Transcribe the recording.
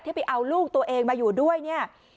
ไปเอาลูกตัวเองมาอยู่ด้วยเนี่ย